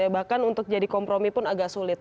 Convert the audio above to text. bahkan untuk jadi kompromi pun agak sulit